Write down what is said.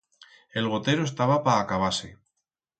El gotero estaba pa acabar-se.